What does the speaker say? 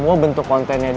udah vulgar banget gw